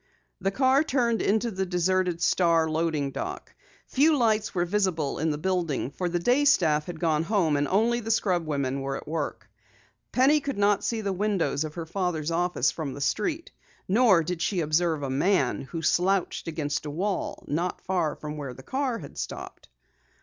The car turned into the deserted Star loading dock. Few lights were visible in the building, for the day staff had gone home and only the scrub women were at work. Penny could not see the windows of her father's office from the street. Nor did she observe a man who slouched against a wall, not far from where the car had stopped.